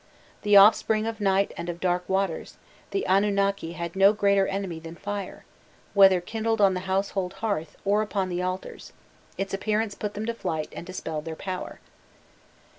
The offspring of night and of dark waters, the Anunnaki had no greater enemy than fire; whether kindled on the household hearth or upon the altars, its appearance put them to flight and dispelled their power.